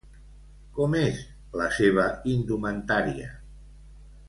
Com és la seva indumentària?